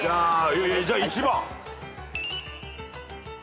じゃあ１番。